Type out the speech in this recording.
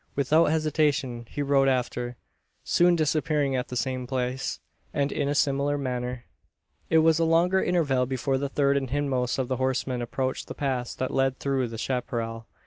Without hesitation, he rode after; soon disappearing at the same place, and in a similar manner. It was a longer interval before the third and hindmost of the horsemen approached the pass that led through the chapparal.